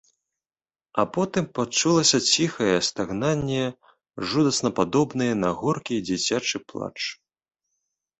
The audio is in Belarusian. А потым пачулася ціхае стагнанне, жудасна падобнае на горкі дзіцячы плач.